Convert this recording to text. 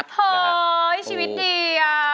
เห้อชีวิตดีอะ